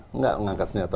enggak mengangkat senjata